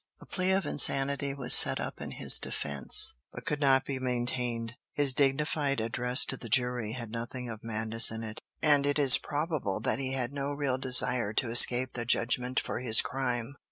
A plea of insanity was set up in his defence, but could not be maintained. His dignified address to the jury had nothing of madness in it, and it is probable that he had no real desire to escape the just punishment for his crime.